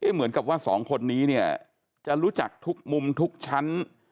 เหมือนกับว่าสองคนนี้เนี่ยจะรู้จักทุกมุมทุกชั้น